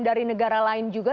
dari negara lain juga